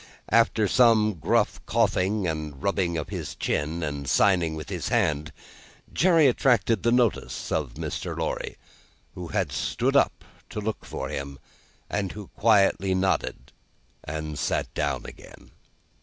After some gruff coughing and rubbing of his chin and signing with his hand, Jerry attracted the notice of Mr. Lorry, who had stood up to look for him, and who quietly nodded and sat down again.